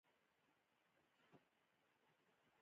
آیا کشران د مشرانو په مخ کې سګرټ نه څکوي؟